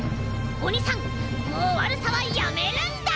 おにさんもうわるさはやめるんだ！